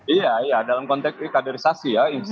iya iya dalam konteks kaderisasi ya